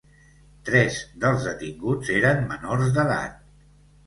Tres dels detinguts eren menors d’edat.